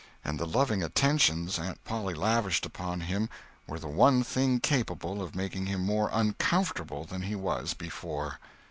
And the loving attentions Aunt Polly lavished upon him were the one thing capable of making him more uncomfortable than he was before.